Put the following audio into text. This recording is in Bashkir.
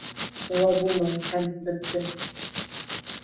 Улай булмай һәм бөттө.